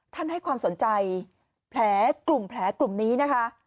ให้ความสนใจแผลกลุ่มแผลกลุ่มนี้นะคะ